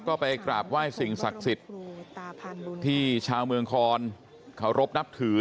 ก็ไปกราบไหว้สิ่งศักดิ์สิทธิ์ที่ชาวเมืองคอนเคารพนับถือ